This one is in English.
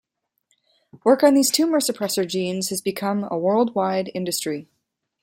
Work on these tumour suppressor genes has become a worldwide industry.